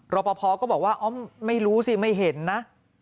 รอปภก็บอกว่าอ๋อมไม่รู้สิไม่เห็นนะ